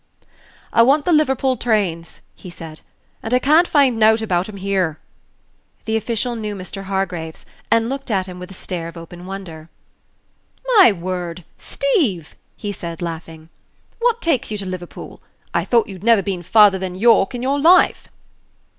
"I want th' Liverpool trayuns," he said, "and I can't find nowght about 'em here." The official knew Mr. Hargraves, and looked at him with a stare of open wonder. "My word! Steeve," he said, laughing, "what takes you to Liverpool? I thought you'd never been farther than York in your life."